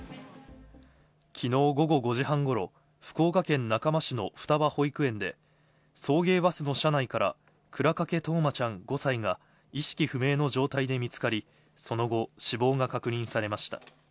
昨日午後５時半頃、福岡県中間市の双葉保育園で送迎バスの車内から倉掛冬生ちゃん、５歳が意識不明の状態で見つかり、その後、死亡が確認されました。